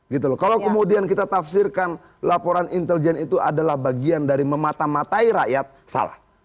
gitu loh kalau kemudian kita tafsirkan laporan intelijen itu adalah bagian dari memata matai rakyat salah